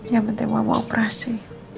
ya penting mama operasi